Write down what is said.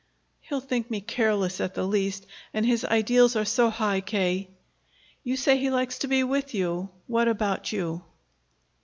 "He'll think me careless, at the least. And his ideals are so high, K." "You say he likes to be with you. What about you?"